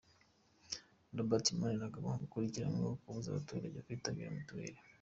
Robert Maniragaba ukurikiranyweho kubuza abaturage kwitabira mituweli.